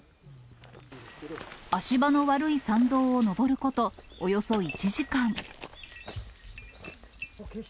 足場の悪い山道を登ること、およそ１時間。